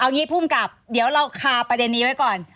งี้ภูมิกับเดี๋ยวเราคาประเด็นนี้ไว้ก่อน